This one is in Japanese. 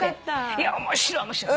いや面白い面白い。